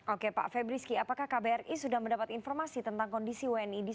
oke pak febrisky apakah kbri sudah mendapat informasi tentang kondisi wni di sana